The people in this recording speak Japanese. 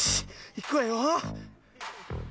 いくわよ。